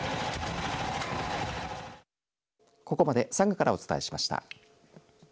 ここまで佐賀からお伝えしました。